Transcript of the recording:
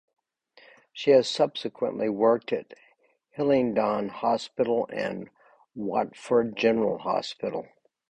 She has subsequently worked at Hillingdon Hospital and Watford General Hospital.